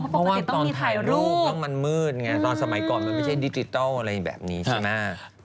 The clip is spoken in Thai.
เพราะว่าตอนถ่ายรูปก็มันมืดไงตอนสมัยก่อนมันไม่ใช่ดิจิทัลอะไรแบบนี้ใช่ไหม